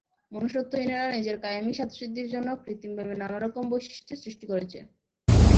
মনুষ্যত্বহীনেরা নিজের কায়েমি স্বার্থসিদ্ধির জন্য কৃত্রিমভাবে নানা রকম বৈষম্যের সৃষ্টি করেছে।